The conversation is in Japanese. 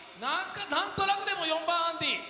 なんとなくでも４番アンディー。